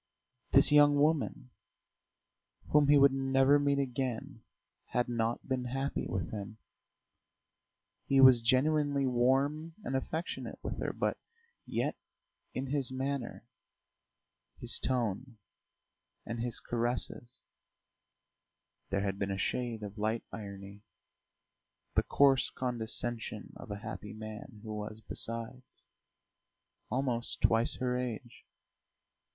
This young woman whom he would never meet again had not been happy with him; he was genuinely warm and affectionate with her, but yet in his manner, his tone, and his caresses there had been a shade of light irony, the coarse condescension of a happy man who was, besides, almost twice her age.